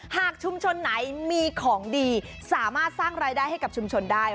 หากชุมชนไหนมีของดีสามารถสร้างรายได้ให้กับชุมชนได้